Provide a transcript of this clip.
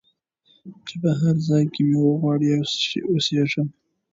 چي په هرځای کي مي وغواړی او سېږم